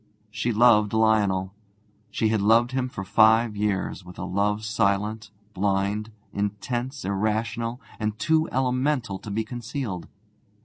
She loved Lionel. She had loved him for five years, with a love silent, blind, intense, irrational, and too elemental to be concealed.